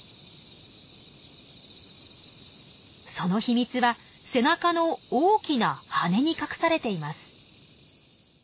その秘密は背中の大きな翅に隠されています。